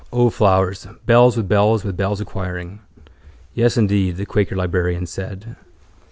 O, flowers! Bells with bells with bells aquiring. —Yes, indeed, the quaker librarian said.